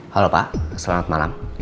halo pak selamat malam